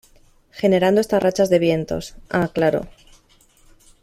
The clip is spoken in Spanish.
generando estas rachas de vientos. ah, claro .